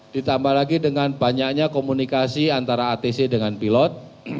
ditambah lagi dengan banyaknya komunikasi antara atc dengan pilot